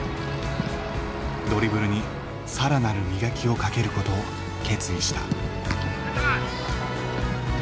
ドリブルに更なる磨きをかけることを決意した。